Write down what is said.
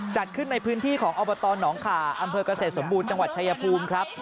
จัดขึ้นในพื้นที่ของอบตหนองขาอำเภอกเกษตรสมบูรณ์จังหวัดชายภูมิครับ